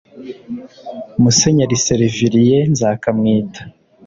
Musenyeri Servilien Nzakamwita